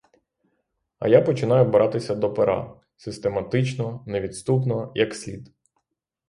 А я починаю братися до пера — систематично, невідступно, як слід.